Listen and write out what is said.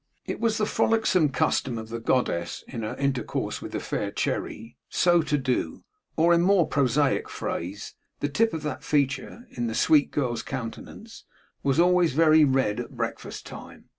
It was the frolicsome custom of the Goddess, in her intercourse with the fair Cherry, so to do; or in more prosaic phrase, the tip of that feature in the sweet girl's countenance was always very red at breakfast time.